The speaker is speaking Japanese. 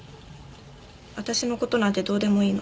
私の事なんてどうでもいいの。